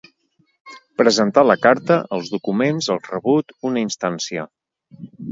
Presentar la carta, els documents, el rebut, una instància.